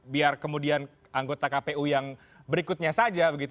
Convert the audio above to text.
biar kemudian anggota kpu yang berikutnya saja begitu